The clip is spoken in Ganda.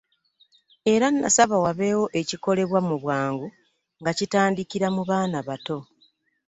Era n'asaba wabeewo ekikolebwa mu bwangu nga kitandikira mu baana abato.